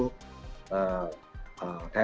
jadi diharapkan masyarakat semakin banyak ya